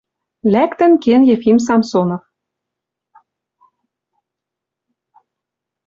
Лӓктӹн кен Ефим Самсонов